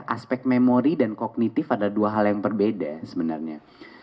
aspek memori dan kognitif adalah dua hal yang berbeda sebenarnya